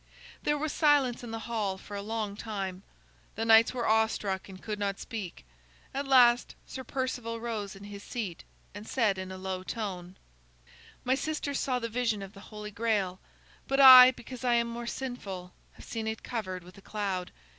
There was silence in the hall for a long time; the knights were awe struck and could not speak. At last Sir Perceval rose in his seat and said in a low tone: "My sister saw the vision of the Holy Grail, but I, because I am more sinful, have seen it covered with a cloud.